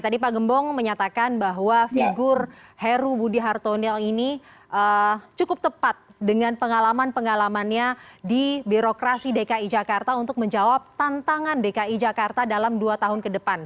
tadi pak gembong menyatakan bahwa figur heru budi hartonio ini cukup tepat dengan pengalaman pengalamannya di birokrasi dki jakarta untuk menjawab tantangan dki jakarta dalam dua tahun ke depan